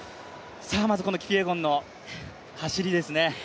まずこのキピエゴンの走りですね。